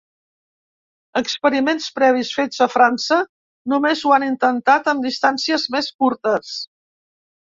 Experiments previs fets a França només ho han intentat amb distàncies més curtes.